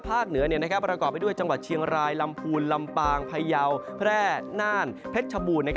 เหนือประกอบไปด้วยจังหวัดเชียงรายลำพูนลำปางพยาวแพร่น่านเพชรชบูรณ์